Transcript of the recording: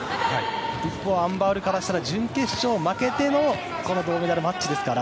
一方、アン・バウルからしたら準決勝負けてのこの銅メダルマッチですから。